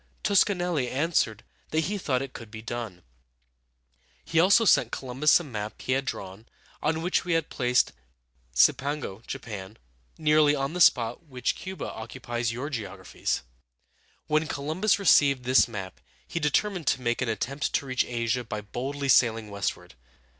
Toscanelli answered that he thought it could be done. He also sent Columbus a map he had drawn, on which he had placed Cipango (Japan) nearly on the spot which Cu´ba occupies in your geographies. When Columbus received this map he determined to make an attempt to reach Asia by boldly sailing westward.